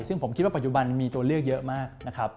ซึ่งผมคิดว่าปัจจุบันมีตัวเลือกเยอะมากนะครับ